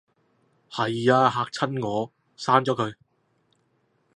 係吖，嚇親我，刪咗佢